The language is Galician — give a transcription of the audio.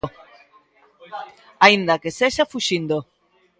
Aínda que sexa fuxindo.